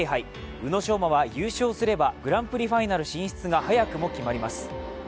宇野昌磨は優勝すればグランプリファイナル進出が早くも決まります。